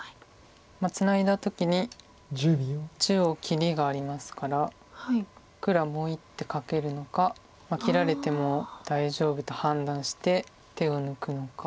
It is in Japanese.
ツナいだ時に中央切りがありますから黒はもう１手かけるのか切られても大丈夫と判断して手を抜くのか。